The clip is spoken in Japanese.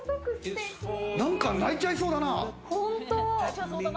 泣いちゃいそうだな。